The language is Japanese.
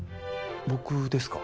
僕ですか？